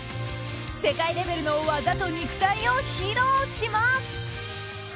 世界レベルの技と肉体を披露します。